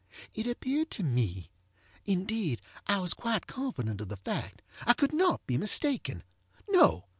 It appeared to meŌĆöindeed I was quite confident of the factŌĆöI could not be mistakenŌĆöno!